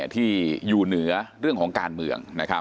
ที่อยู่เหนือเรื่องของการเมือง